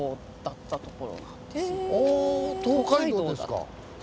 あぁ東海道ですか。